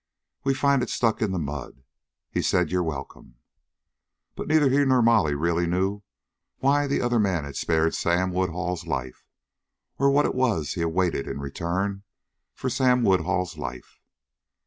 We find hit stuck in the mud. He said ye're welcome." But neither he nor Molly really knew why that other man had spared Sam Woodhull's life, or what it was he awaited in return for Sam Woodhull's life.